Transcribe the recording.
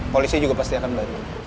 polisi juga pasti akan bantu